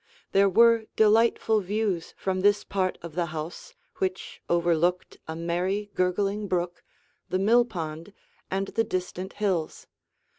There were delightful views from this part of the house which overlooked a merry, gurgling brook, the mill pond, and the distant hills.